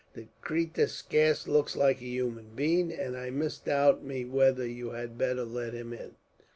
The cratur scarce looks like a human being, and I misdoubt me whether you had better let him in."